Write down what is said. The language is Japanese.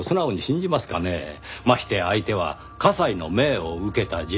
ましてや相手は加西の命を受けた人物。